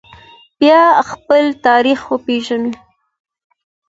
باید خپل تاریخ وپیژنو